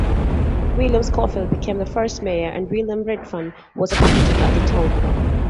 William Scholefield became the first Mayor and William Redfern was appointed as Town Clerk.